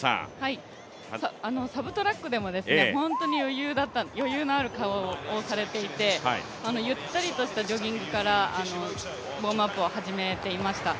サブトラックでも本当に余裕のある顔をされていて、ゆったりとしたジョギングからウォームアップを始めていました。